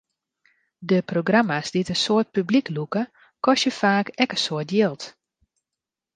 De programma's dy't in soad publyk lûke, kostje faak ek in soad jild.